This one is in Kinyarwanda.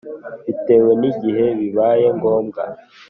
Bitewe nigihe bibaye ngombwa